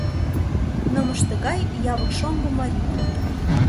Нымыште гай явык шоҥго марий.